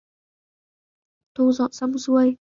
Thu dọn xong xuôi